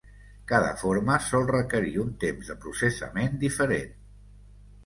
Cada forma sol requerir un temps de processament diferent.